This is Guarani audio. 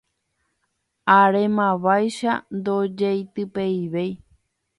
arémavaicha ndojeitypeivéi